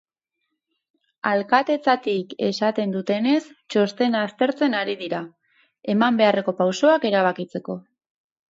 Alkatetzatik esan dutenez, txostena aztertzen ari dira, eman beharreko pausoak erabakitzeko.